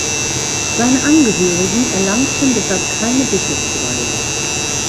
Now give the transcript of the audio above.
Seine Angehörigen erlangten deshalb keine Bischofsweihe.